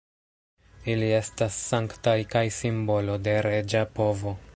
Ili estas sanktaj kaj simbolo de reĝa povo.